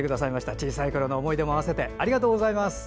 小さいころの思い出も合わせてありがとうございます。